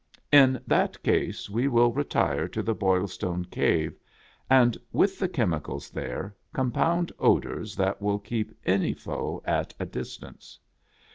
In that case, we will retire to the Boilstone Cave, and with the chemicals there compound odors that would keep any foe at a distance."